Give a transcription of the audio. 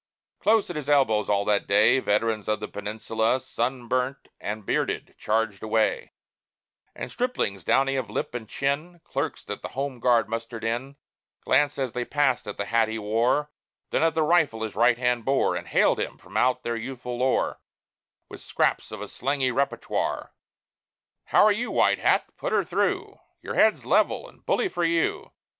Close at his elbows all that day, Veterans of the Peninsula, Sunburnt and bearded, charged away; And striplings, downy of lip and chin, Clerks that the Home Guard mustered in, Glanced, as they passed, at the hat he wore, Then at the rifle his right hand bore; And hailed him, from out their youthful lore, With scraps of a slangy repertoire: "How are you, White Hat?" "Put her through!" "Your head's level!" and "Bully for you!"